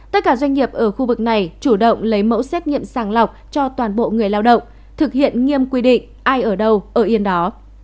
tất cả doanh nghiệp ở khu vực này chủ động lấy mẫu xét nghiệm sàng lọc cho toàn bộ người lao động thực hiện nghiêm quy định ai ở đâu ở yên đó